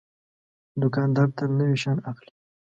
دوکاندار تل نوي شیان اخلي.